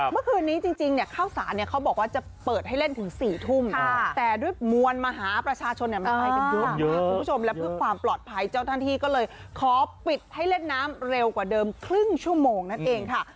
เมื่อคืนนี้จริงเนี่ยข้าวสารเนี่ยเขาบอกว่าจะเปิดให้เล่นถึง๔ทุ่มแต่ด้วยมวลมหาประชาชนเนี่ยมันไปกันเยอะมากคุณผู้ชมและเพื่อความปลอดภัยเจ้าหน้าที่ก็เลยขอปิดให้เล่นน้ำเร็วกว่าเดิมครึ่งชั่วโมงนั่นเองค่ะ